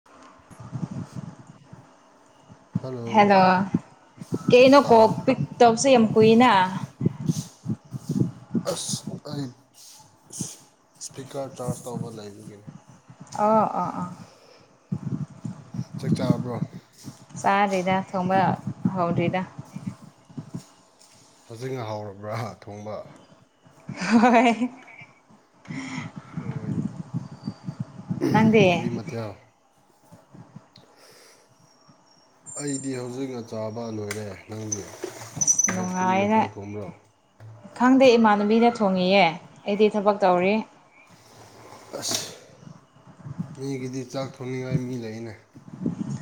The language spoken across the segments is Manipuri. [inaudible] ꯍꯜꯂꯣ ꯍꯦꯜꯂꯣ ꯀꯩꯅꯣ ꯀꯣꯜ ꯄꯤꯛ ꯇꯞꯁꯦ ꯌꯥꯝ ꯀꯨꯏꯅ ꯇ [unintelligible] ꯑꯁ ꯑꯩ ꯁꯄꯤꯀꯔ ꯆꯥꯔꯖ ꯇꯧꯕ ꯂꯩꯕꯒꯤ ꯑ ꯑ ꯑ ꯆꯥꯛ ꯆꯥꯕ꯭ꯔꯣ ꯆꯥꯗ꯭ꯔꯤꯗ ꯊꯣꯡꯕ ꯍꯗ꯭ꯔꯤꯗ ꯐꯖꯅ ꯍꯥꯎꯔꯕ꯭ꯔꯥ ꯊꯣꯡꯕ [unintelligible] ꯍꯣꯏ ꯅꯪꯗꯤ ꯀꯔꯤ ꯃꯊꯦꯜ ꯑꯩꯗꯤ ꯍꯧꯖꯤꯛꯅꯆꯥꯥꯕ ꯂꯣꯏꯔꯦ ꯅꯪꯗꯤ ꯑꯁ ꯀꯔꯤ ꯅꯨꯡꯉꯥꯏꯅ ꯃꯊꯦꯜ ꯊꯣꯡꯕ꯭ꯔꯣ ꯈꯪꯗꯦ ꯏꯃꯥꯟꯅꯕꯤꯅ ꯊꯣꯡꯉꯤꯌꯦ ꯑꯩꯗꯤ ꯊꯕꯛ ꯇꯧꯔꯤ ꯑꯁ ꯃꯤꯒꯤꯗꯤ ꯆꯥꯛ ꯊꯣꯡꯅꯤꯡꯉꯥꯏ ꯃꯤ ꯂꯩꯅꯦ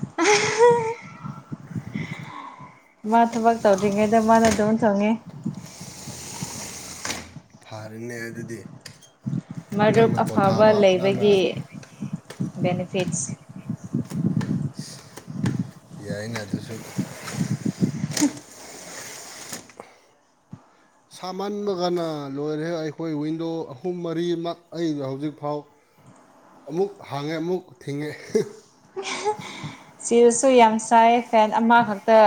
[inaudible] ꯃꯥ ꯊꯕꯛ ꯇꯧꯗ꯭ꯔꯤꯉꯩꯗ ꯃꯥꯅ ꯑꯗꯨꯝ ꯆꯣꯡꯉꯤ ꯐꯔꯦꯅꯦ ꯑꯗꯨꯗꯤ ꯃꯔꯨꯞ ꯅꯪꯅ ꯑꯐꯕ ꯄꯣꯊꯥꯕ ꯅꯪꯅ ꯂꯩꯕꯒꯤ ꯕꯦꯅꯤꯐꯤꯠꯁ ꯌꯥꯏꯅꯦ ꯑꯗꯨꯁꯨ ꯁꯥꯃꯟꯕꯒꯅ ꯂꯣꯏꯔꯦ ꯑꯩꯈꯣꯏ ꯋꯤꯟꯗꯣ ꯑꯍꯨꯝ ꯃꯔꯤꯃꯛ ꯑꯩ ꯍꯧꯖꯤꯛꯐꯥꯎ [inaudible] ꯑꯃꯨꯛ ꯍꯥꯡꯉꯦ ꯑꯃꯨꯛ ꯊꯤꯡꯉꯦ [inaudible] ꯁꯤꯔꯁꯨ ꯌꯥꯝ ꯁꯥꯏ ꯐꯦꯟ ꯑꯃꯈꯛꯇ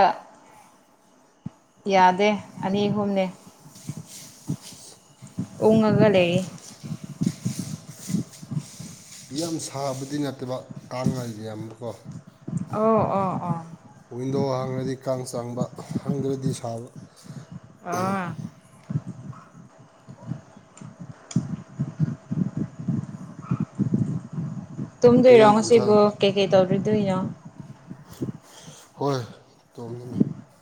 ꯌꯥꯗꯦ ꯑꯅꯤ ꯑꯍꯨꯝꯅꯦ ꯎꯡꯉꯒ ꯂꯩꯌꯦ ꯌꯥꯝ ꯁꯥꯕꯗꯤ ꯅꯠꯇꯕ ꯇꯥꯡꯉ ꯌꯥꯝꯕꯀꯣ ꯑꯣ ꯑꯣ ꯑꯣ ꯋꯤꯟꯗꯣ ꯍꯥꯡꯉꯗꯤ ꯀꯥꯡ ꯆꯥꯡꯕ ꯍꯥꯡꯗ꯭ꯔꯗꯤ ꯁꯥꯕ ꯑ ꯀꯔꯤ ꯇꯨꯝꯗꯣꯏꯔꯣ ꯏꯟꯁꯥꯡ ꯉꯁꯤꯕꯨ ꯀꯩ ꯀꯩ ꯇꯧꯔꯤꯗꯣꯏꯅꯣ ꯍꯣꯏ ꯇꯣꯡꯉꯅꯤ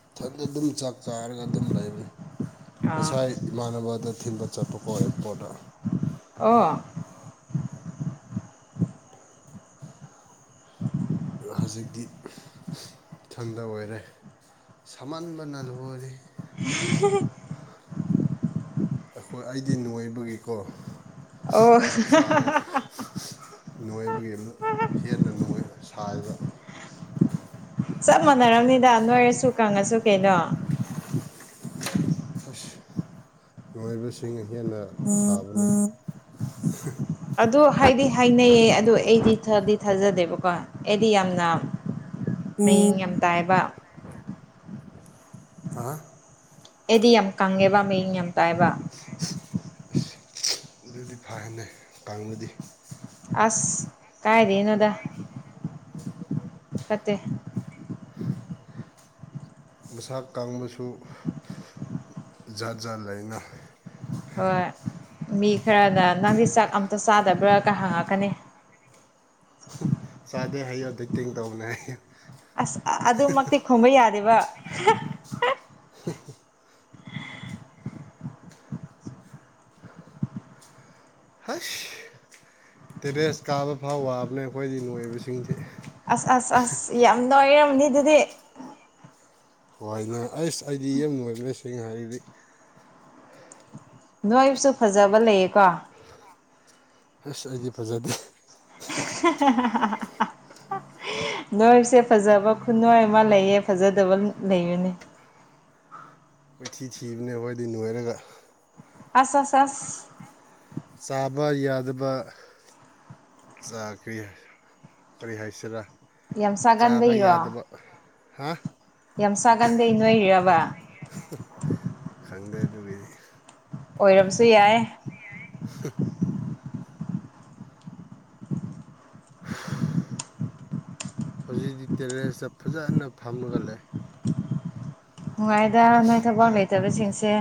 ꯏꯊꯟꯗ ꯑꯗꯨꯝ ꯆꯥꯛ ꯆꯥꯔꯒ ꯑꯗꯨꯝ ꯂꯩꯕꯅꯤ ꯑꯥ ꯉꯁꯥꯢ ꯏꯃꯥꯟꯅꯕꯥꯗ ꯊꯤꯟꯕ ꯆꯠꯄꯀꯣ ꯑꯦꯌꯔꯄꯣꯔꯠꯇ꯫ ꯑꯣ ꯍꯧꯖꯤꯛꯇꯤ ꯏꯊꯪꯗ ꯑꯣꯏꯔꯦ ꯁꯥꯃꯟꯕꯅ ꯂ ꯑꯣꯏꯔꯤ ꯍꯤꯍꯤ ꯑꯩꯈꯣꯏ ꯑꯩꯗꯤ ꯅꯨꯡꯉꯥꯏꯕꯒꯤꯀꯣ ꯑꯣ ꯍꯛꯆꯥꯡ ꯅꯣꯏꯕꯒꯤ ꯑꯃꯨꯛ ꯍꯦꯟꯅ ꯁꯥꯥꯏꯕ ꯆꯞ ꯃꯥꯟꯅꯔꯝꯅꯤꯗ ꯅꯣꯏꯔꯁꯨ ꯀꯪꯉꯁꯨ ꯀꯩꯅꯣ ꯑꯁ ꯅꯨꯡꯉꯥꯏꯕꯁꯤꯡ ꯍꯦꯟꯅ ꯁꯥꯕꯗ ꯑꯗꯨ ꯍꯥꯏꯗꯤ ꯍꯥꯏꯅꯩꯌꯦ ꯑꯗꯨ ꯑꯩꯗꯤ ꯊꯥꯗꯤ ꯊꯥꯖꯗꯦꯕꯀꯣ ꯑꯩꯗꯤ ꯌꯥꯝꯅ ꯃꯌꯦꯡ ꯌꯥꯝ ꯇꯥꯏꯕ ꯍꯥ ꯑꯦꯗꯤ ꯌꯥꯝ ꯀꯪꯉꯦꯕ ꯃꯌꯦꯡ ꯌꯥꯝ ꯇꯥꯏꯕ ꯑꯗꯨꯗꯤ ꯐꯥꯏ ꯍꯥꯏꯟꯦ ꯀꯥꯡꯕꯗꯤ ꯑꯁ ꯀꯥꯏꯗꯅ ꯑꯗꯥ ꯐꯠꯇꯦ ꯃꯁꯛ ꯀꯥꯡꯕꯁꯨ ꯖꯥꯠ ꯖꯥꯠ ꯂꯩꯅ ꯍꯣꯏ ꯃꯤ ꯈꯔꯅ ꯅꯪꯗꯤ ꯆꯥꯛ ꯑꯝꯇ ꯆꯥꯗꯕ꯭ꯔꯥꯒ ꯍꯪꯉꯛꯀꯅꯤ ꯆꯥꯗꯦ ꯍꯥꯏꯌꯦꯌꯨ ꯛꯇꯤꯡ ꯇꯧꯕꯅꯦ ꯍꯥꯏ ꯑꯁ ꯑꯗꯨꯃꯛꯇꯤ ꯈꯨꯝꯕ ꯌꯥꯗꯦꯕ [inaudible] ꯍꯁ ꯇꯦꯔꯦꯁ ꯀꯥꯕ ꯐꯥꯎ ꯋꯥꯕꯅꯦ ꯑꯩꯈꯣꯏꯗꯤ ꯅꯣꯏꯕꯁꯤꯡꯁꯤ ꯑꯁ ꯑꯁ ꯑꯁ ꯌꯥꯝ ꯅꯨꯡꯥꯏꯔꯔꯕꯅꯤ ꯑꯗꯨꯗꯤ ꯍꯋꯥꯣꯏꯅ ꯑꯩꯁ ꯑꯩꯗꯤ ꯌꯥꯝ ꯣꯏꯁꯤꯡ ꯍꯥꯏꯕꯗꯤ ꯅꯣꯏꯕꯨꯁꯨ ꯐꯖꯕ ꯂꯩꯌꯦꯀꯣ ꯍꯁ ꯑꯩꯗꯤ ꯐꯖꯗꯦ꯫ ' [unintelligible] ꯅꯣꯏꯁꯦ ꯐꯖꯕ ꯈꯨꯅꯣꯏ ꯑꯃ ꯂꯩꯌꯦ ꯐꯖꯗꯕ ꯂꯩꯕꯅꯤ ꯀꯣꯢꯊꯤ ꯊꯤꯕꯅꯦꯕ ꯑꯩꯗꯤ ꯅꯣꯢꯔꯒ꯫ ꯑꯥꯁ ꯑꯥꯁ ꯑꯥꯁ ꯆꯥꯕ ꯌꯥꯗꯕ ꯔꯤ ꯀꯔꯤ ꯍꯥꯏꯁꯤꯔꯥ ꯌꯥꯝ ꯆꯥꯕ ꯆꯥꯒꯟꯕꯩꯔꯣ ꯌꯥꯗꯕ ꯍꯥ ꯌꯥꯝ ꯁꯥꯒꯥꯟꯗꯦ ꯅꯣꯏꯔꯕ ꯈꯪꯗꯦ ꯑꯗꯨꯒꯤꯗꯤ ꯑꯣꯏꯔꯝꯕꯁꯨ ꯌꯥꯏ ꯍꯧꯖꯤꯛꯇꯛꯇꯤ ꯇꯦꯔꯦꯁꯇ ꯐꯖꯅ ꯐꯝꯃꯒ ꯂꯩ ꯅꯨꯡꯉꯥꯏꯗ ꯅꯣꯏ ꯊꯕꯛ ꯂꯩꯇꯕꯁꯤꯡꯁꯦ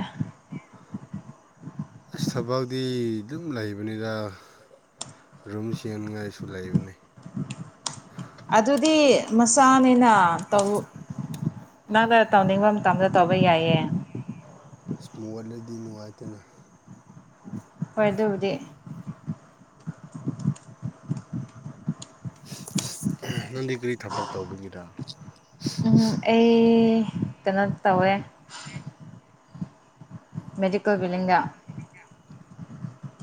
ꯑꯁ ꯊꯕꯥꯛꯗꯤ ꯗꯨꯝ ꯂꯩꯕꯅꯤꯗ ꯔꯨꯝ ꯆꯦꯟꯉꯥꯏꯁꯨ ꯂꯩꯕꯅꯤ ꯑꯗꯨꯗꯤ ꯃꯆꯥꯅꯤꯅ ꯇꯧ ꯅꯪꯅ ꯇꯧꯅꯤꯡꯕ ꯃꯇꯝꯗ ꯇꯧꯕ ꯌꯥꯏꯌꯦ [inaudible] ꯏꯁꯃꯣꯠꯂꯗꯤ ꯅꯨꯡꯉꯥꯏꯇꯅ ꯍꯣꯏ ꯑꯗꯨꯕꯨꯗꯤ ꯅꯪꯗꯤ ꯀꯔꯤ ꯊꯕꯛ ꯇꯧꯕꯤꯒꯔ ꯑꯩ ꯀꯩꯅꯣ ꯇꯧꯋꯦ ꯃꯦꯗꯤꯀꯦꯜ ꯕꯤꯂꯤꯡꯗ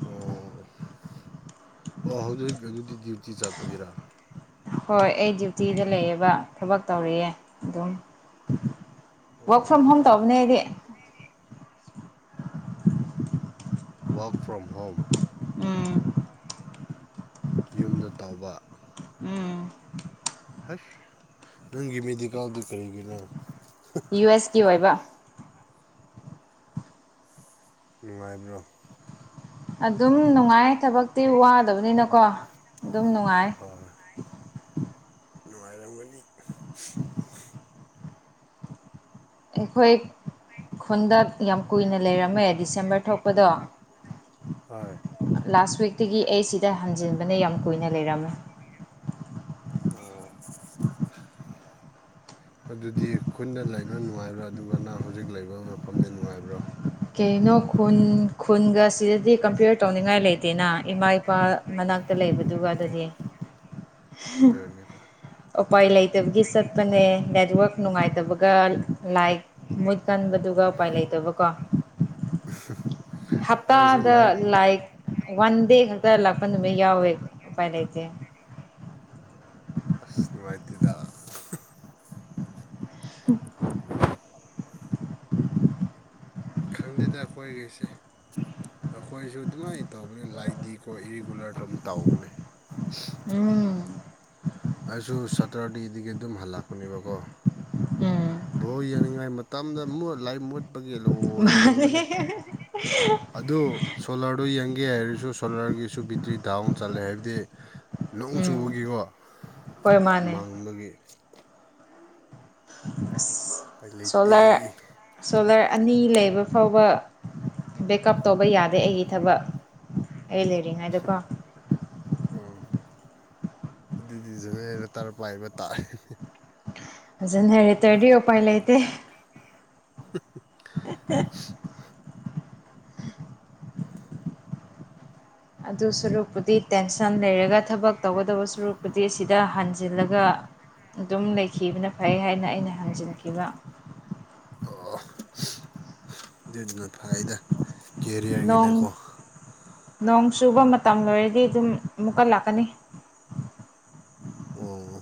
ꯑꯣ ꯑꯣ ꯑꯣ ꯍꯧꯖꯤꯛ ꯍꯧꯖꯤꯛ ꯑꯗꯨꯗꯤ ꯗ꯭ꯌꯨꯇꯤ ꯆꯠꯄꯒꯤꯔꯥ ꯍꯣꯏ ꯑꯩ ꯗ꯭ꯌꯨꯇꯤꯗ ꯂꯩꯑꯦꯕ ꯊꯕꯛ ꯇꯧꯔꯤꯌꯦ ꯑꯗꯨꯝ ꯋꯥꯋꯔꯛ ꯑꯣ ꯐ꯭ꯔꯣꯝ ꯍꯣꯝ ꯇꯧꯕꯅꯦꯗꯤ ꯋꯥꯔꯛ ꯐ꯭ꯔꯣꯝ ꯍꯣꯝ ꯎꯝ ꯌꯨꯝꯗ ꯇꯧꯕ ꯎꯝ ꯍꯁ ꯅꯪꯒꯤ ꯃꯦꯗꯤꯀꯥꯜꯗꯤ ꯀꯔꯤꯒꯤꯅꯣ ꯁꯀꯤ ꯑꯣꯏꯕ ꯅꯨꯡꯉꯥꯏꯕ꯭ꯔꯣ ꯑꯗꯨꯝ ꯅꯨꯡꯉꯥꯏ ꯊꯕꯛꯇꯤ ꯋꯥꯗꯕꯅꯤꯅꯀꯣ ꯑꯗꯨꯝ ꯅꯨꯡꯉꯥꯏ ꯑꯣꯏ ꯅꯨꯡꯉꯥꯢꯔꯝꯒꯅꯤ꯫ ꯑꯩꯈꯣꯢ ꯈꯨꯟꯗ ꯌꯥꯝ ꯀꯨꯢꯅ ꯂꯩꯔꯝꯃꯦ ꯗꯤꯁꯦꯝꯕꯔ ꯊꯣꯛꯄꯗꯣ꯫ ꯍꯣꯏ ꯂꯥꯁ ꯋꯤꯛꯇꯒꯤ ꯑꯩ ꯁꯤꯗ ꯍꯟꯖꯤꯟꯕꯅꯦ ꯌꯥꯝ ꯀꯨꯏꯅ ꯂꯩꯔꯝꯃꯦ ꯄꯣ ꯑꯗꯨꯗꯤ ꯈꯨꯟꯗ ꯂꯩꯕ ꯅꯨꯡꯉꯥꯏꯕ꯭ꯔꯥ ꯑꯗꯨꯒꯅ ꯍꯧꯖꯤꯛ ꯂꯩꯕ ꯃꯐꯝꯗ ꯅꯨꯡꯉꯥꯏꯕ꯭ꯔꯥ ꯀꯩꯅꯣ ꯈꯨꯟ ꯈꯨꯟꯒ ꯁꯤꯗꯗꯤ ꯀꯝꯄꯤꯌꯔ ꯇꯧꯅꯤꯡꯉꯥꯏ ꯂꯩꯇꯦꯅ ꯏꯃꯥ ꯏꯄꯥ ꯃꯅꯥꯛꯇ ꯂꯩꯕꯗꯨꯒ ꯑꯗꯨꯗꯤ ꯑꯗꯨꯕ ꯎꯄꯥꯏ ꯂꯩꯇꯕꯒꯤ ꯆꯠꯄꯅꯦ ꯅꯦꯠꯋꯥꯛ ꯅꯨꯡꯉꯥꯏꯇꯕꯒ ꯂꯥꯏꯛ ꯃꯨꯠ ꯀꯟꯕꯗꯨꯒ ꯎꯄꯥꯏ ꯂꯩꯇꯕ ꯀꯣ ꯅꯪꯁꯨ ꯍꯞꯇꯥꯗ ꯂꯥꯏꯐ ꯂꯥꯏꯛ ꯋꯥꯟ ꯗꯦ ꯈꯛꯇ ꯂꯥꯛꯄ ꯅꯨꯃꯤꯠ ꯌꯥꯎꯌꯦ ꯎꯄꯥꯏ ꯂꯩꯥꯇꯦ ꯑꯁꯅꯋꯥꯥꯏ ꯑꯗꯨꯗ [unintelligible] ꯈꯪꯗꯦꯗ ꯑꯩꯈꯣꯏꯒꯤꯁꯦ ꯑꯩꯈꯣꯏꯁꯨ ꯑꯗꯨꯃꯥꯏꯅ ꯇꯧꯕꯅꯤ ꯂꯥꯏꯗꯤꯀꯣ ꯏꯔꯤꯒꯨꯂꯔ ꯑꯗꯨꯝ ꯇꯧꯕꯅꯦ ꯎꯝ ꯑꯩꯁꯨ ꯁꯇꯔꯗꯦꯗꯒꯤ ꯑꯗꯨꯝ ꯍꯜꯂꯛꯄꯅꯦꯕꯀꯣ ꯎꯝ ꯚꯣ ꯌꯦꯡꯅꯤꯡꯉꯥꯏ ꯃꯇꯝꯗ ꯃꯣꯠꯂꯥꯏ ꯃꯨꯠꯄꯒꯤ ꯂꯣꯏꯔꯕꯅꯤ ꯑꯗꯨ ꯁꯣꯂꯥꯔꯗꯨ ꯌꯦꯡꯒꯦ ꯍꯥꯏꯔꯁꯨ ꯁꯣꯂꯥꯔꯒꯤꯁꯨ ꯕꯦꯇ꯭ꯔꯤ ꯗꯥꯎꯟ ꯆꯠꯂꯦ ꯍꯥꯏꯕꯗꯤ ꯅꯣꯡ ꯎꯝ ꯆꯨꯕꯒꯤꯀꯣ ꯍꯣꯏ ꯃꯥꯅꯦ ꯃꯪꯕꯒꯤ ꯑꯁ ꯎꯄꯥꯏ ꯂꯩꯇꯦ ꯁ‌ꯣꯂꯔ ꯁꯣꯂꯔ ꯑꯅꯤ ꯂꯩꯕ ꯐꯥꯎꯕ ꯕꯦꯛꯑꯞ ꯇꯧꯕ ꯌꯥꯗꯦ ꯑꯩꯒꯤ ꯊꯕꯛ ꯑꯩ ꯂꯩꯔꯤꯉꯥꯏꯗꯀꯣ ꯎꯝ ꯑꯗꯨꯗꯤ [unintelligible] ꯄꯥꯢꯕ ꯇꯥꯢ꯫ ꯐꯖꯅ ꯍꯔꯦꯇ꯭ꯔꯗꯤ ꯎꯄꯥꯏ ꯂꯩꯇꯦ [unintelligible] [unintelligible] ꯑꯗꯨ ꯁꯨꯔꯨꯛꯄꯨꯗꯤ ꯇꯦꯟꯁꯟ ꯂꯩꯔꯒ ꯊꯕꯛ ꯇꯧꯒꯗꯕ ꯁꯨꯔꯨꯞꯄꯨꯗꯤ ꯁꯤꯗ ꯍꯟꯖꯤꯜꯂꯒ ꯑꯗꯨꯝ ꯂꯩꯈꯤꯕꯅ ꯐꯩ ꯍꯥꯏꯅ ꯑꯩꯅ ꯍꯟꯖꯤꯟꯈꯤꯕ ꯑ‌ꯣ ꯗꯤꯟꯅ ꯐꯥꯢꯗ ꯅꯣꯡ ꯅꯣꯡ ꯆꯨꯕ ꯃꯇꯝ ꯂꯣꯏꯔꯗꯤ ꯑꯗꯨꯝ ꯑꯃꯨꯛꯀꯠ ꯂꯥꯛꯀꯅꯤ ꯎꯡ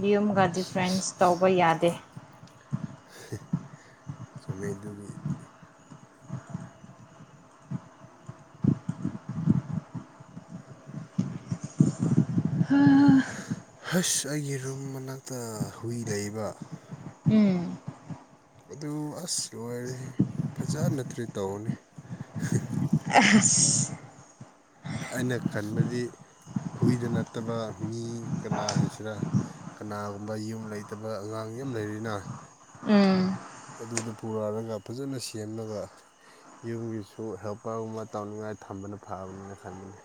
ꯃꯤꯌꯨꯝꯒ ꯗꯤꯐ꯭ꯔꯦꯟꯁ ꯇꯧꯕ ꯌꯥꯗꯦ ꯆꯨꯝꯃꯦꯗꯨꯒꯤ ꯍꯁ ꯑꯩꯒꯤ ꯔꯨꯝ ꯃꯅꯥꯛꯇ ꯍꯨꯏ ꯂꯩꯕ ꯎꯝ ꯑꯗꯨ ꯑꯁ ꯂꯣꯏꯔꯦ ꯐꯖꯅ ꯇ꯭ꯔꯤꯠ ꯇꯧꯅꯤ ꯑꯦꯍꯁ ꯑꯩꯅ ꯈꯟꯕꯗꯤ ꯍꯨꯢꯗ ꯅꯠꯇꯕ ꯃꯤ ꯀꯅꯥ ꯍꯥꯢꯁꯤꯔꯥ ꯀꯅꯥꯒꯨꯝꯕ ꯌꯨꯝ ꯂꯩꯇꯕ ꯑꯉꯥꯡ ꯌꯝ ꯂꯩꯔꯤꯅ꯫ ꯎꯝ ꯑꯗꯨꯗ ꯄꯨꯔꯛꯔꯒ ꯐꯖꯅ ꯁꯦꯝꯂꯒ ꯌꯨꯝꯒꯤꯁꯨ ꯍꯦꯜꯄꯔꯒꯨꯝꯕ ꯇꯧꯅꯤꯡꯉꯥꯏ ꯊꯝꯕꯅ ꯐꯕꯅꯤꯅ ꯈꯟꯕꯅꯤ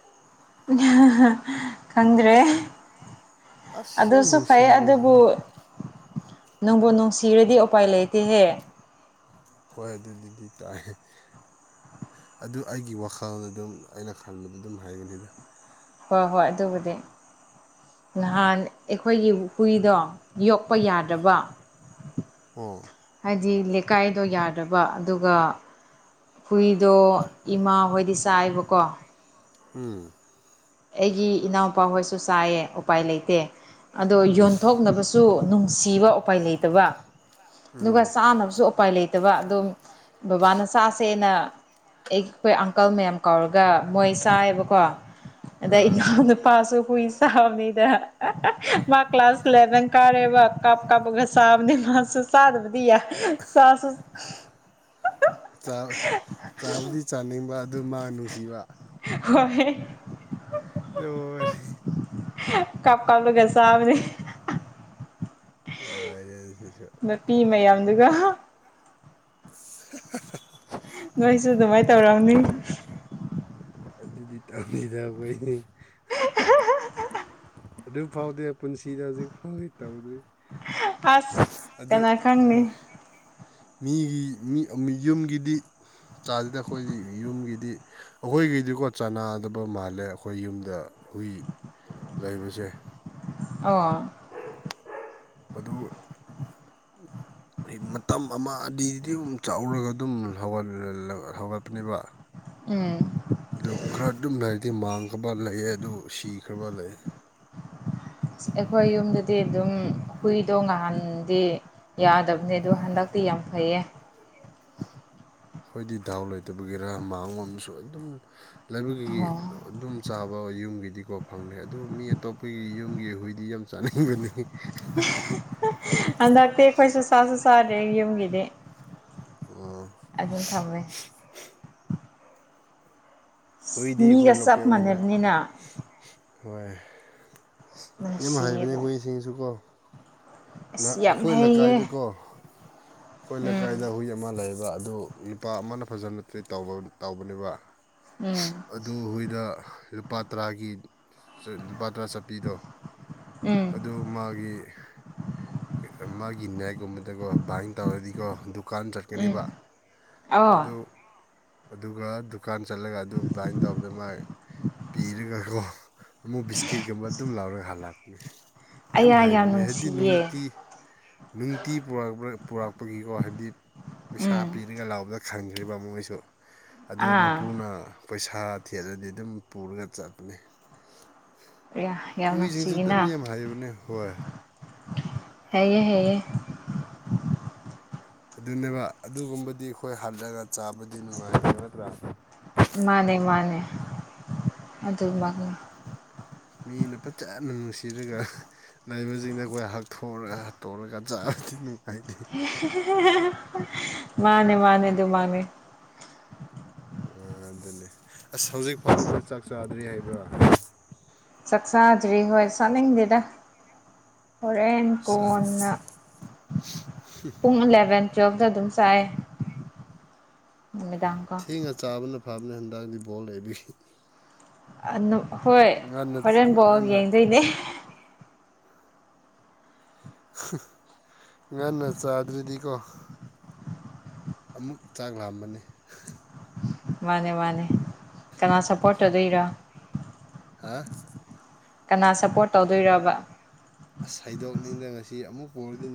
[unintelligible] ꯈꯪꯗ꯭ꯔꯦ ꯑꯁ ꯌꯥꯝ ꯑꯗꯨꯁꯨ ꯐꯥꯏ ꯑꯗꯨꯕꯨ ꯅꯨꯡꯁꯤꯕꯅꯤ ꯅꯪꯕꯨ ꯅꯨꯡꯁꯤꯔꯗꯤ ꯎꯄꯥꯏ ꯂꯩꯇꯦꯍꯦ ꯍꯣꯢ ꯗꯨꯗꯨꯗꯤ ꯇꯥꯢꯍꯦ꯫ ꯑꯗꯨ ꯑꯩꯒꯤ ꯋꯥꯈꯜꯗ ꯗꯨꯝ ꯑꯩꯅ ꯈꯟꯕꯗ ꯗꯨꯝ ꯍꯥꯢꯕꯅꯤꯗ꯫ ꯍꯣꯢ ꯍꯣꯢ ꯑꯗꯨꯕꯨꯗꯤ ꯅꯍꯥꯟ ꯑꯩꯈꯣꯏꯒꯤ ꯍꯨꯏꯗꯣ ꯌꯣꯛꯄ ꯌꯥꯗꯔꯕ ꯎꯝ ꯍꯥꯢꯗꯤ ꯂꯦꯀꯥꯢꯗꯣ ꯌꯥꯗ꯭ꯔꯕ ꯑꯗꯨꯒ ꯍꯨꯏꯗꯣ ꯏꯃꯥꯍꯣꯏꯗꯤ ꯆꯥꯏꯕꯀꯣ ꯎꯝ ꯑꯩꯒꯤ ꯏꯅꯥꯎꯄꯥ ꯍꯣꯏꯁꯨ ꯆꯥꯏꯌꯦ ꯎꯄꯥꯏ ꯂꯩꯇꯦ ꯑꯗꯣ ꯌꯣꯟꯊꯣꯛꯅꯕꯁꯨ ꯗꯨ ꯅꯨꯡꯁꯤꯕ ꯎꯄꯥꯏ ꯂꯩꯇꯕ ꯑꯗꯨꯒ ꯎꯝ ꯆꯥꯅꯕꯁꯨ ꯎꯄꯥꯏ ꯂꯩ ꯇꯕ ꯑꯗꯨꯝ ꯕꯕꯥꯅ ꯆꯥꯁꯦꯅ ꯑꯩꯈꯣꯢ ꯑꯪꯀꯜ ꯃꯌꯥꯝ ꯀꯧꯔꯒ ꯃꯣꯢ ꯆꯥꯢꯌꯦꯕꯀꯣ꯫ ꯑꯗꯩ ꯑꯥ ꯏꯅꯎꯅꯨꯄꯥꯁꯨ ꯍꯨꯢꯁ ꯆꯥꯕꯅꯤꯗ ꯃꯥ ꯀ꯭ꯂꯥꯁ ꯑꯦꯜꯕꯦꯟ ꯀꯥꯔꯦꯕ ꯀꯞ ꯀꯞꯒ ꯆꯕꯅꯤ ꯃꯥꯁꯨ ꯆꯗꯕꯗꯤ ꯌꯥ ꯆꯥꯁꯨ ꯆꯥꯛ ꯆꯥꯕꯨꯗꯤ ꯆꯥꯅꯤꯡꯕ ꯑꯗꯨ ꯃꯥ ꯅꯨꯡꯁꯤꯕ꯫ ꯍꯣꯏ ꯂ‌ꯣꯏꯔ‌ꯦꯍ‌ꯦ ꯀꯞ ꯀꯥꯞꯂꯒ ꯆꯥꯕꯅꯤ ꯂꯣꯏꯔꯦ [unintelligible] ꯃꯄꯤ ꯃꯌꯥꯝꯗꯨꯒ ꯍꯥ [unintelligible] ꯅꯣꯢꯁꯨ ꯗꯨꯃꯥꯢ ꯇꯧꯔꯝꯅꯤ꯫ ꯑꯗꯨꯗꯤ ꯇꯝꯁꯤꯗ ꯑꯩꯈꯣꯏꯅꯤ ꯑꯗꯨ ꯐꯥꯎꯗꯤ ꯄꯨꯟꯁꯤꯗ ꯍꯧꯖꯤꯛ ꯐꯥꯎꯒꯤ ꯇꯧꯗ꯭ꯔꯤ꯫ ꯑꯁ ꯑꯗꯨ ꯀꯅꯥ ꯈꯪꯅꯤ ꯎꯝ ꯃꯤꯒꯤ ꯃꯤ ꯑ ꯃꯤꯌꯨꯝꯒꯤꯗꯤ ꯆꯥꯗꯦꯗ ꯑꯩꯈꯣꯏꯗꯤ ꯌꯨꯝꯒꯤꯗꯤ ꯑꯈꯣꯢꯒꯤꯗꯤꯀꯣ ꯆꯅꯥꯗꯕ ꯃꯥꯜꯂꯦ ꯑꯈꯣꯢ ꯌꯨꯝꯗ ꯍꯨꯢ ꯂꯩꯕꯁꯦ꯫ ꯑ [unintelligible] ꯃꯇꯝ ꯑꯃ ꯑꯗꯤ ꯑꯗꯨꯝ ꯆꯥꯎꯔꯒ ꯑꯗꯨꯝ ꯍꯧꯒ ꯍꯧꯒꯠꯄꯅꯦꯕ ꯎꯝ ꯑꯗꯨ ꯈꯔ ꯑꯗꯨꯝ ꯂꯩꯔꯗꯤ ꯃꯥꯡꯈ꯭ꯔꯕ ꯂꯩꯑ ꯑꯗꯨ ꯁꯤꯈ꯭ꯔꯕ ꯂꯩ ꯑꯩꯈꯣꯢ ꯌꯨꯝꯗꯗꯤ ꯗꯨꯝ ꯍꯨꯢꯗꯣ ꯉꯍꯥꯟꯗꯤ ꯌꯥꯗꯕꯅꯦ ꯗꯨ ꯍꯟꯗꯛꯇꯤ ꯌꯥꯝ ꯐꯩꯌꯦ꯫ ꯑꯩꯈꯣꯏꯗꯤ ꯗꯥꯎ ꯂꯩꯇꯕꯒꯤꯔ ꯃꯥꯡꯂꯣꯝꯁꯨ ꯑꯗꯨꯝ ꯂꯩꯕꯒꯤ ꯑꯣ ꯑꯗꯨꯝ ꯆꯥꯕ ꯌꯨꯝꯒꯤꯗꯤꯀꯣ ꯐꯪꯉꯦ ꯑꯗꯨ ꯃꯤ ꯑꯇꯣꯞꯄꯒꯤ ꯌꯨꯝꯒꯤ ꯍꯨꯏꯗꯤ ꯌꯥꯝ ꯆꯥꯅꯤꯡꯒꯅꯤ ꯍꯟꯗꯛꯇꯤ ꯈꯣꯢꯁꯨ ꯁꯥꯥꯁꯨ ꯆꯥꯗ꯭ꯔꯦ ꯌꯨꯝꯒꯤꯗꯤ ꯎꯝ ꯑꯗꯨꯝ ꯊꯝꯃꯦ ꯍꯨꯏꯗꯤ ꯈꯣꯏ ꯃꯤꯒ ꯆꯞ ꯂꯣꯀꯦꯜꯒꯤꯅ ꯃꯥꯟꯅꯕꯅꯤꯅ ꯍꯣꯢ ꯌꯝ ꯍꯩꯕꯅꯦ ꯅꯨꯡꯁꯤꯌꯦꯕ ꯍꯨꯢꯁꯤꯡꯁꯨ ꯀꯣ꯫ ꯅꯍ ꯑꯁ ꯌꯥꯝ ꯑꯩꯈꯣꯏ ꯍꯩꯌꯦ ꯂꯩꯀꯥꯏꯗꯀꯣ ꯑꯩꯈꯣꯏ ꯎꯝ ꯂꯩꯀꯥꯏꯗ ꯍꯨꯏ ꯑꯃ ꯂꯩꯌꯦꯕ ꯑꯗꯨ ꯅꯨꯄꯥ ꯑꯃꯅ ꯐꯖꯅꯦ ꯇ ꯇꯧꯕꯅꯦꯕ ꯎꯝ ꯑꯗꯨ ꯍꯨꯏꯗ ꯂꯨꯄꯥ ꯇꯔꯥꯒꯤ ꯂꯨꯄꯥ ꯇꯔꯥ ꯆꯥꯄꯤꯗꯣ ꯎꯝ ꯗꯨ ꯃꯥꯒꯤ ꯑꯦ ꯑ ꯃꯥꯒꯤ ꯅꯦꯛꯀꯨꯝꯕꯗꯀꯣ ꯕꯥꯢꯟ ꯇꯧꯔꯗꯤꯀꯣ ꯑꯗꯨ ꯗꯨꯀꯥꯟ ꯎꯝ ꯆꯠꯀꯅꯦꯕ ꯑꯣ ꯑꯗꯨ ꯑꯗꯨꯒꯗꯨ ꯗꯨꯀꯥꯟ ꯆꯠꯂꯒ ꯑꯗꯨ ꯕꯥꯏꯟ ꯇꯧꯕꯗ ꯃꯥ ꯄꯤꯔꯒꯀꯣ ꯑꯃꯨꯛ ꯕꯤꯁꯀꯤꯠꯀꯨꯝꯕ ꯑꯗꯨꯝ ꯂꯧꯔꯒ ꯍꯜꯂꯛꯄꯅꯦ ꯌꯝ ꯑꯩꯌꯥ ꯌꯥꯝ ꯍꯩꯕꯅꯦꯍꯦ ꯗꯤ ꯅꯨꯡꯁꯤꯌꯦ ꯅꯨꯡꯇꯤ ꯅꯨꯡꯇꯤ ꯄꯨꯔꯛꯄꯒꯤꯀꯣ ꯍꯥꯏꯗꯤ ꯄꯩꯁꯥ ꯎꯝ ꯄꯤꯔꯒ ꯂꯧꯕꯗ ꯈꯟꯈ꯭ꯔꯤꯕ ꯃꯣꯏꯁꯨ ꯑꯗꯨ ꯑꯥ ꯃꯄꯨꯅ ꯄꯩꯁꯥ ꯊꯦꯠꯂꯗꯤ ꯗꯨꯝ ꯄꯨꯔꯒ ꯆꯠꯄꯅꯦ꯫ ꯑꯩꯌꯥ ꯌꯥꯝ ꯍꯨꯏꯁꯤꯡꯁꯨ ꯅꯨꯡꯁꯤꯌꯦ꯫ ꯑꯗꯨꯝ ꯌꯥꯝ ꯍꯥꯏꯕꯅꯦ ꯍꯣꯏ ꯍꯩꯌꯦ ꯍꯩꯌꯦ ꯑꯗꯨꯅꯦꯕ ꯑꯗꯨꯒꯨꯝꯕꯗꯤ ꯈꯣꯢ ꯍꯜꯂꯒ ꯆꯥꯕꯗꯤ ꯅꯨꯡꯉꯥꯢꯇꯦ ꯅꯠꯇ꯭ꯔꯥ꯫ ꯃꯥꯅꯦ ꯃꯥꯅꯦ ꯑꯗꯨꯃꯛꯅꯤ꯫ ꯃꯤꯅ ꯐꯖꯅ ꯅꯨꯡꯁꯤꯔꯒ ꯂꯩꯕꯁꯤꯡꯅ ꯈꯣꯏ ꯍꯛꯊꯣꯛꯑꯒ ꯍꯥꯠꯇꯧꯔꯒ [inaudible] 'Unintelligible' ꯃꯥꯅꯦ ꯃꯥꯅꯦ ꯗꯨꯃꯥꯛꯅꯦ꯫ ꯑꯥ ꯑꯗꯨꯅꯦ ꯑꯁ ꯍꯧꯖꯤꯛ ꯐꯥꯎꯗ ꯆꯥꯛ ꯆꯥꯗ꯭ꯔꯤ ꯍꯥꯏꯕ꯭ꯔꯥ ꯆꯛ ꯆꯥꯗ꯭ꯔꯤ ꯈꯣꯢ ꯆꯥꯅꯤꯡꯗꯦꯗ꯫ ꯍꯣꯔꯦꯟ ꯀꯣꯟꯅ ꯄꯨꯡ ꯑꯜꯂꯦꯚꯦꯟ ꯗꯨꯝ ꯆꯥꯏ ꯅꯨꯃꯤꯗꯥꯥꯡꯀꯣ ꯏꯪꯒ ꯆꯥꯕꯅ ꯐꯕꯅꯦ ꯍꯟꯗꯥꯛꯇꯤ ꯕꯣꯜ ꯂꯩꯕꯒꯤ꯫ ꯍꯣꯏ ꯉꯟꯅ ꯍꯣꯔꯦꯟꯕꯣꯛ ꯉꯟꯅ ꯌꯦꯡꯗꯣꯏꯅꯦ ꯉꯟꯅ ꯆꯥꯗ꯭ꯔꯗꯤꯀꯣ ꯑꯃꯨꯛ ꯆꯥꯛ ꯂꯥꯝꯕꯅꯤ ꯃꯥꯅꯦ ꯃꯥꯅꯦ ꯀꯅꯥ ꯁꯞꯄꯣꯔꯠ ꯇꯧꯗꯣꯏꯔꯣ ꯍꯥ ꯀꯅꯥ ꯁꯞꯄꯣꯔꯠ ꯇꯧꯗꯣꯏꯔꯕꯥ ꯑꯁ ꯍꯩꯗꯣꯛꯅꯤꯡꯗꯅ ꯉꯁꯤ ꯑꯃꯨꯛ ꯄꯨꯔꯅꯤ